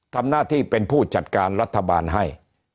ทำหน้าที่เป็นผู้จัดการรัฐบาลให้